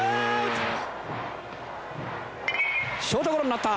ショートゴロになった。